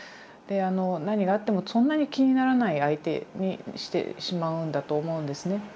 何があってもそんなに気にならない相手にしてしまうんだと思うんですね。